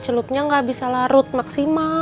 celupnya nggak bisa larut maksimal